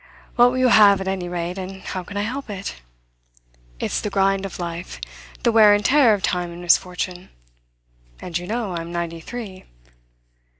What will you have, at any rate, and how can I help it? It's the grind of life, the wear and tear of time and misfortune. And, you know, I'm ninety three."